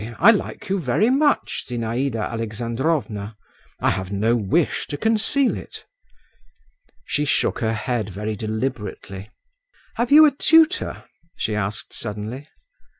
I like you very much, Zinaïda Alexandrovna; I have no wish to conceal it." She shook her head very deliberately. "Have you a tutor?" she asked suddenly.